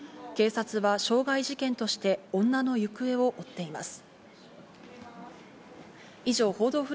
警察は傷害事件として女の行方を追っています。